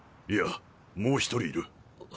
いやもう一人いる。